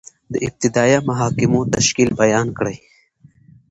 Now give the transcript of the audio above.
د ابتدائیه محاکمو تشکیل بیان کړئ؟